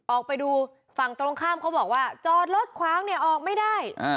ออกไปดูฝั่งตรงข้ามเขาบอกว่าจอดรถขวางเนี่ยออกไม่ได้